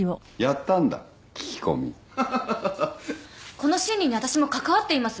この審理に私も関わっています。